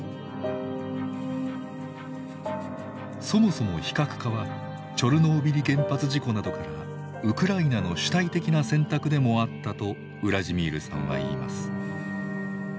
そもそも非核化はチョルノービリ原発事故などからウクライナの主体的な選択でもあったとウラジミールさんは言います。